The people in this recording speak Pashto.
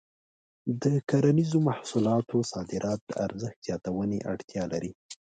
د کرنیزو محصولاتو صادرات د ارزښت زیاتونې اړتیا لري.